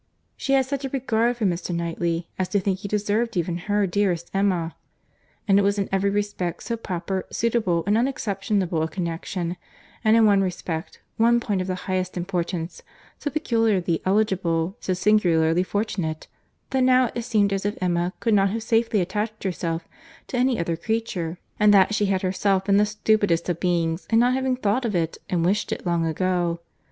—She had such a regard for Mr. Knightley, as to think he deserved even her dearest Emma; and it was in every respect so proper, suitable, and unexceptionable a connexion, and in one respect, one point of the highest importance, so peculiarly eligible, so singularly fortunate, that now it seemed as if Emma could not safely have attached herself to any other creature, and that she had herself been the stupidest of beings in not having thought of it, and wished it long ago.